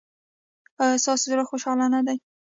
ایا ستاسو زړه خوشحاله نه دی؟